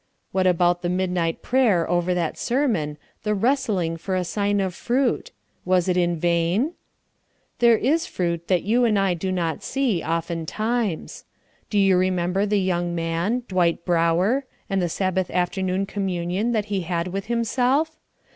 What about the midnight prayer over that sermon, the wrestling for a sign of fruit? Was it in vain? There is fruit that you and I do not see, oftentimes. Do you remember the young man, Dwight Brower, and the Sabbath afternoon communion that he had with himself?